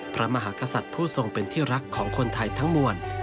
พระมหากษัตริย์ผู้ทรงเป็นที่รักของคนไทยทั้งมวล